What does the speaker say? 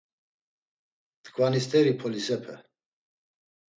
T̆ǩvani st̆eri polisepe.